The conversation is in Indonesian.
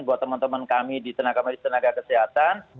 buat teman teman kami di tenaga medis tenaga kesehatan